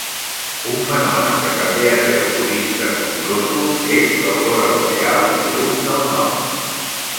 Un fenomen que també atreu turistes nombrosos és l'Aurora Boreal o Llums del Nord.